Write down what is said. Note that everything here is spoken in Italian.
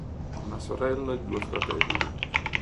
Ha una sorella e due fratelli.